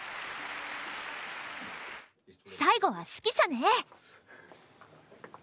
最後は指揮者ね。